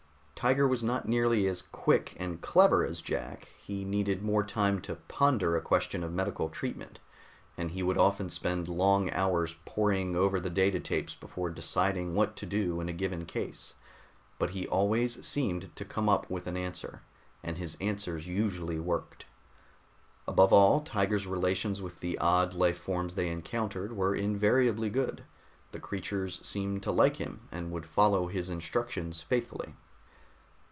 Tiger was not nearly as quick and clever as Jack; he needed more time to ponder a question of medical treatment, and he would often spend long hours poring over the data tapes before deciding what to do in a given case but he always seemed to come up with an answer, and his answers usually worked. Above all, Tiger's relations with the odd life forms they encountered were invariably good; the creatures seemed to like him, and would follow his instructions faithfully.